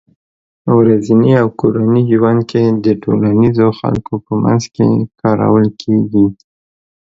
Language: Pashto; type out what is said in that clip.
ورځني او کورني ژوند کې د ټولنيزو خلکو په منځ کې کارول کېږي